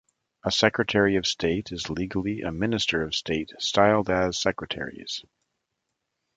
A Secretary of State is legally a Minister of State styled as secretaries.